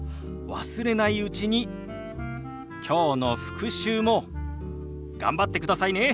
忘れないうちにきょうの復習も頑張ってくださいね。